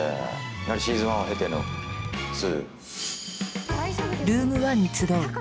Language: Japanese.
やはりシーズン１を経ての、２。